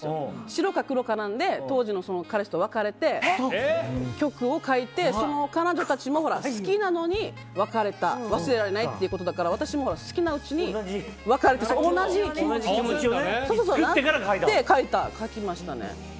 白か黒かなので当時の彼氏と別れて曲を書いて、その彼女たちも好きなのに別れた忘れられないっていうことだから私も好きなうちに別れて同じ気持ちで書きましたね。